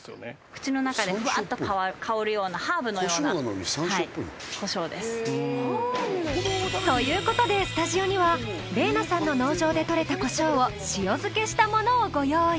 口の中でふわっと香るようなという事でスタジオには澪那さんの農場で採れたコショウを塩漬けしたものをご用意。